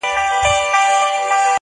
چي د بڼو پر څوکه ژوند کي دي پخلا ووینم!.